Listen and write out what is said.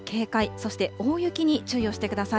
そして大雪に注意をしてください。